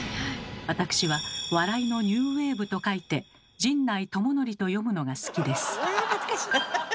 私は「笑いのニューウエーブ」と書いて「陣内智則」と読むのが好きです。